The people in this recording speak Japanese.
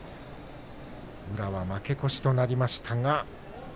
宇良は負け越しとなりましたね。